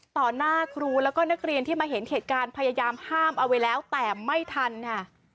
หน้าครูแล้วก็นักเรียนที่มาเห็นเหตุการณ์พยายามห้ามเอาไว้แล้วแต่ไม่ทันค่ะ